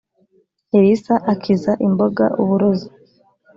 elisa akiza imboga uburozi